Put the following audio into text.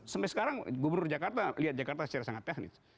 sampai sekarang gubernur jakarta lihat jakarta secara sangat teknis